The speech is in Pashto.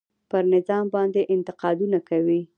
پر نظام باندې انتقادونه کوي.